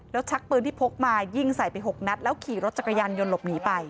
แล้วชักปืนที่พกมายิงใส่ไป๖นัดแล้วขี่รถจักรยานยนต์หลบหนีไป